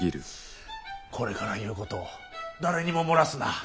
これから言うこと誰にも漏らすな。